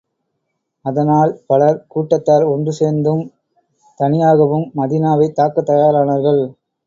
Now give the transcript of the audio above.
அதனால் பல கூட்டத்தார் ஒன்று சேர்ந்தும், தனியாகவும் மதீனாவைத் தாக்கத் தயாரானார்கள்.